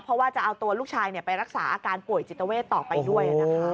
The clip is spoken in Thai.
เพราะว่าจะเอาตัวลูกชายไปรักษาอาการป่วยจิตเวทต่อไปด้วยนะคะ